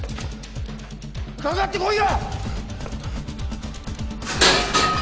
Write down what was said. かかってこいよ！